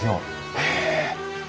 へえ。